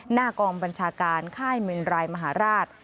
หน้ากลองบรรชาการและค่ายเมืองรายมหราช